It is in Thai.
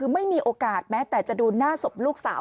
ไม่มีโอกาสแม้แต่จะดูหน้าศพลูกสาว